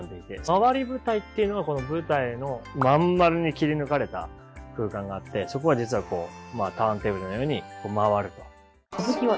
廻り舞台っていうのがこの舞台の真ん丸に切り抜かれた空間があってそこは実はターンテーブルのように回ると。